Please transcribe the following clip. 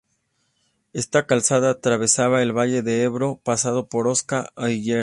Esta calzada atravesaba el valle del Ebro pasando por "Osca" e "Ilerda".